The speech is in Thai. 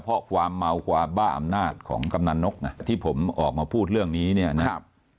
เพราะความเมาความบ้าอำนาจของกำนันนกที่ผมออกมาพูดเรื่องนี้เนี่ยนะครับ